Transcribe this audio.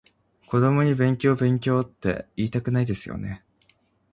子供に勉強勉強っていいたくないですよね？